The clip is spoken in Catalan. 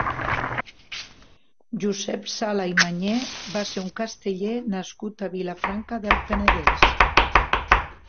Josep Sala i Mañé va ser un casteller nascut a Vilafranca del Penedès.